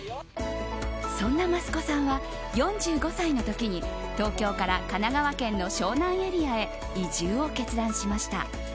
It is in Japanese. そんな益子さんは４５歳の時に東京から神奈川県の湘南エリアへ移住を決断しました。